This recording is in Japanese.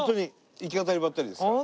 行き当たりばったりですから。